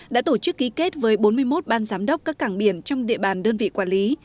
đã tổ chức ký kết với bốn mươi một ban giám đốc các cảng biển trong địa bàn đơn vị quản lý